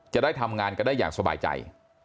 จะได้ทำงานกันได้อย่างสบายใจ